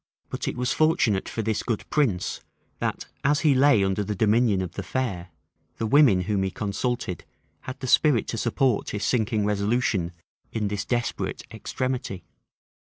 But it was fortunate for this good prince that, as he lay under the dominion of the fair, the women whom he consulted had the spirit to support his sinking resolution in this desperate extremity.